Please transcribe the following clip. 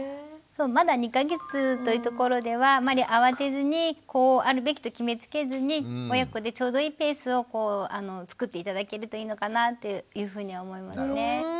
まだ２か月というところではあまり慌てずにこうあるべきと決めつけずに親子でちょうどいいペースをこう作って頂けるといいのかなというふうに思いますね。